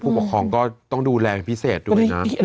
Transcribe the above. ผู้ปกครองก็ต้องดูแรงพิเศษด้วยนะ